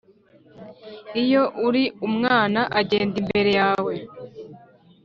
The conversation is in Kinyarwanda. iyo uri umwana agenda imbere yawe